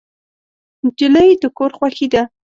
نجلۍ د کور خوښي ده.